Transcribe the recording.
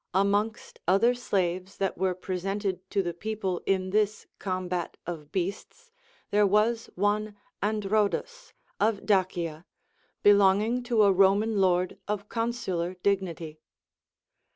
Amongst other slaves that were presented to the people in this combat of beasts there was one Androdus, of Dacia, belonging to a Roman lord of consular dignity.